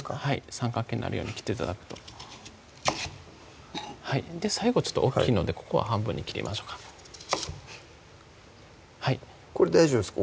三角形になるように切って頂くと最後大っきいのでここは半分に切りましょうか大丈夫ですか？